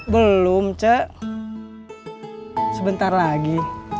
belum cik sebentar lagi